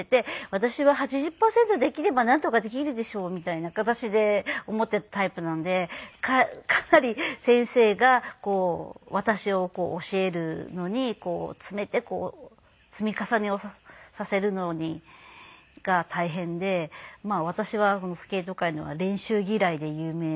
私は８０パーセントできればなんとかできるでしょうみたいな形で思っていたタイプなんでかなり先生が私を教えるのに詰めて積み重ねをさせるのが大変で私はスケート界では練習嫌いで有名。